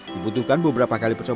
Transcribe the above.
dibutuhkan beberapa kali pecah